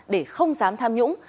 để không dám tham nhũng